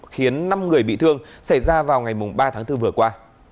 khiến năm người bị thương xảy ra vào ngày ba tháng bốn vừa qua